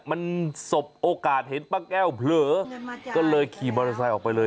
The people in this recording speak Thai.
มันสบโอกาสเห็นป้าแก้วเผลอก็เลยขี่มอเตอร์ไซค์ออกไปเลย